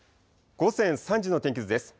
午前３時の天気図です。